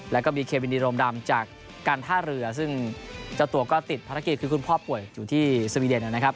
แล้วก็มีเควินีโรมดำจากการท่าเรือซึ่งเจ้าตัวก็ติดภารกิจคือคุณพ่อป่วยอยู่ที่สวีเดนนะครับ